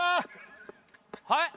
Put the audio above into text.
はい？